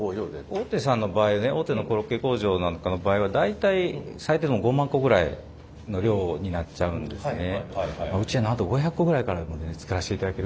大手さんの場合ね大手のコロッケ工場なんかの場合は大体最低でも５万個ぐらいの量になっちゃうんですね。